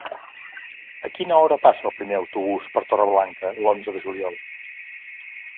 A quina hora passa el primer autobús per Torreblanca l'onze de juliol?